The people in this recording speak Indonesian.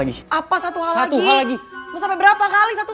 aku mau banyak